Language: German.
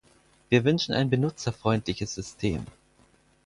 Wir wünschen ein benutzerfreundliches System.